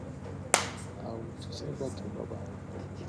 A o thusa batho ba bangwe?